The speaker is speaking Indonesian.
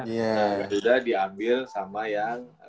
garuda diambil sama yang